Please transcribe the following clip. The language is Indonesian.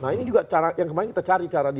nah ini juga yang kemarin kita cari cara